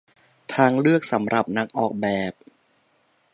ทางเลือกสำหรับนักออกแบบ